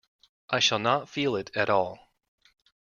I shall not feel it at all.